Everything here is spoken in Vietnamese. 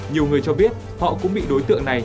nhiều người cho biết họ cũng bị đối tượng này